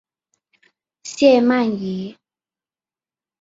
谢曼怡。